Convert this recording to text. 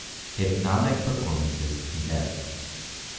HYPNOTIC PERFORMANCES CONDEMNED.